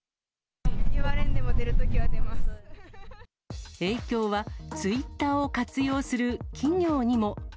言われんでも出るときは出ま影響はツイッターを活用する企業にも。